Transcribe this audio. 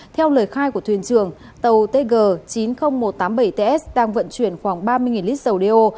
theo lời khai của thuyền trường tàu tg chín mươi nghìn một trăm tám mươi bảy ts đang vận chuyển khoảng ba mươi lít dầu đeo